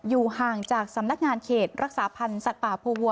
อยู่ห่างจากสำนักงานเขตรักษาพันธ์สัตว์ป่าภูวัว